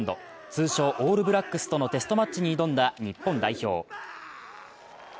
通称・オールブラックスとのテストマッチに挑んだ日本代表。